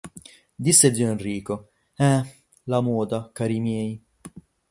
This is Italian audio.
Disse zio Enrico: – Eh, la moda, cari miei!